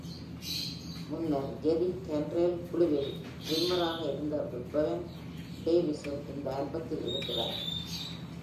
முன்னர் Jerry Cantrell குழுவில் டிரம்மராக இருந்த பெவன் டேவிஸும் இந்த ஆல்பத்தில் இருக்கிறார்.